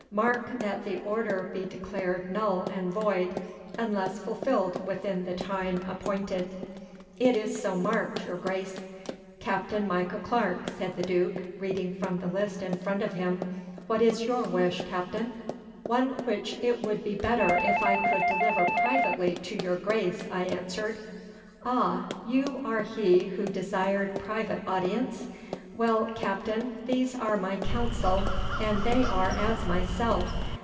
Mark that the order be declared null and void unless fulfilled within the time appointed.' 'It is so marked, your Grace.' 'Captain Micah Clarke,' said the Duke, reading from the list in front of him. 'What is your wish, Captain?' 'One which it would be better if I could deliver privately to your Grace,' I answered. 'Ah, you are he who desired private audience? Well, Captain, these are my council and they are as myself.